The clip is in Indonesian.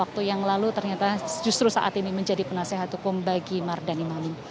waktu yang lalu ternyata justru saat ini menjadi penasehat hukum bagi mardani mani